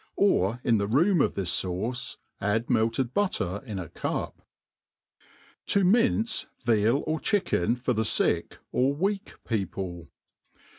Or in the room of^his fauce, add melted butter in a cup. To.minci Vial or Chicken for the SUk^ or weak Papli.